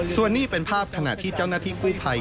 ส่วนนี้เป็นภาพขณะที่เจ้าหน้าที่กู้ภัย